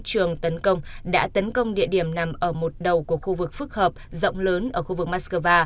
trường tấn công đã tấn công địa điểm nằm ở một đầu của khu vực phức hợp rộng lớn ở khu vực moscow